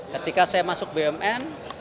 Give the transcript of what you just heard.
ketika saya masuk bmn